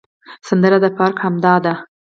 سندره د فراق همدمه ده